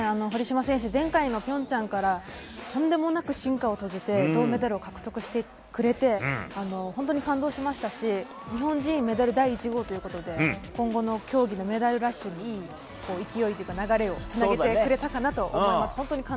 堀島選手、前回の平昌からとんでもなく進化を遂げて銅メダルを獲得してくれて本当に感動しましたし日本人メダル第１号ということで今後の競技のメダルラッシュに流れをつなげてくれたかなと思います。